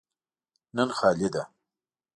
نن خالي ده.